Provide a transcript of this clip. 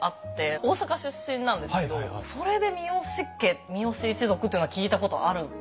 大阪出身なんですけどそれで三好家三好一族というのは聞いたことあるのかなという。